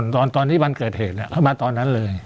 ตอนที่วันเกิดเหตุเข้ามาตอนนั้นเลย